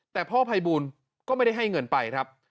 แต่พ่อภัยบูลก็ไม่ได้ให้เงินไปครับ